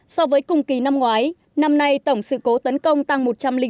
so với cùng kỳ năm ngoái năm nay tổng sự cố tấn công tăng một trăm linh bốn